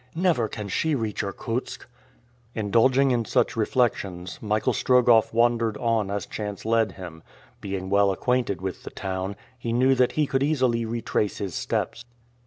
Never can she reach Irkutsk!" Indulging in such reflections, Michael Strogoff wandered on as chance led him; being well acquainted with the town, he knew that he could easily retrace his steps.